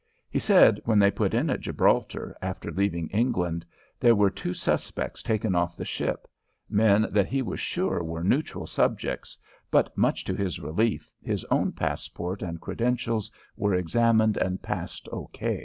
He said when they put in at Gibraltar, after leaving England, there were two suspects taken off the ship, men that he was sure were neutral subjects, but much to his relief his own passport and credentials were examined and passed O.